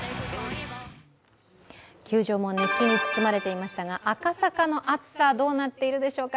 球場も熱気に包まれていましたが赤坂の暑さ、どうなっているでしょうか。